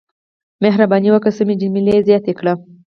مهرباني وکړئ سمې جملې زیاتې کړئ.